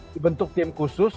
dibentuk tim khusus